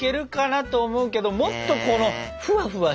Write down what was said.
でももっとこのふわふわした！